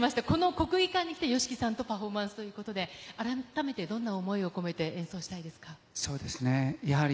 国技館に来て、ＹＯＳＨＩＫＩさんとパフォーマンスということで、改めてどんな思いを込めて演奏したいですか？